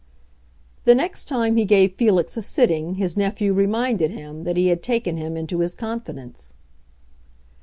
The next time he gave Felix a sitting his nephew reminded him that he had taken him into his confidence.